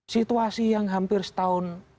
situasi yang hampir setahun